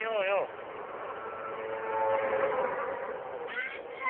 ・勘九郎！